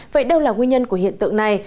vậy đâu là nguyên nhân của hiện tượng này